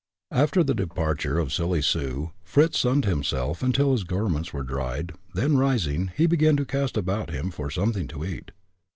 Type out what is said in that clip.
After the departure of Silly Sue, Fritz sunned himself until his garments were dried; then rising, he began to cast about him for something to eat.